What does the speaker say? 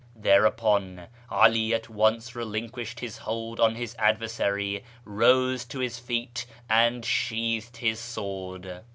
Thereupon 'Ali at once relinquished his hold on his adversary, rose to his feet, and sheathed his sword.